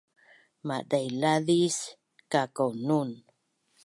madailaz is kakaunun